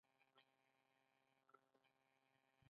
د خپلو ستراتیژیکو مقاصدو لپاره افغانستان قرباني کاوه.